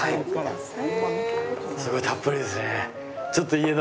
すごいたっぷりですね。